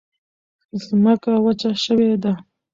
ځمکه وچه شوې ده.